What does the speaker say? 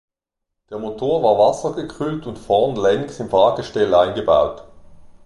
Der Motor war wassergekühlt und vorn längs im Fahrgestell eingebaut.